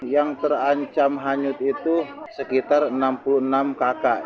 yang terancam hanyut itu sekitar enam puluh enam kakak